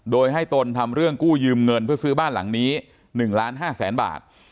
โดยให้ตนทำเรื่องกู้ยืมเงินเพื่อซื้อบ้านหลังนี้๑ล้าน๕แสนบาท